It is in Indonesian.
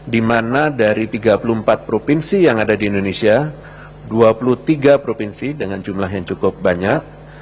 di mana dari tiga puluh empat provinsi yang ada di indonesia dua puluh tiga provinsi dengan jumlah yang cukup banyak